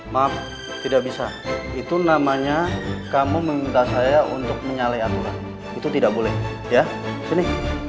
maaf tidak bisa itu namanya kamu meminta saya untuk menyalai aturan itu tidak boleh ya sini